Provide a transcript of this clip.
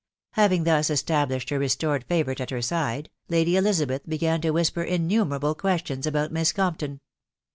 Having thus established her restored favourite at her side, Lady Elizabeth began to whisper innumerable questions about Miss Compton.